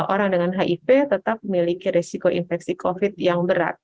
orang dengan hiv tetap memiliki risiko infeksi covid sembilan belas yang berat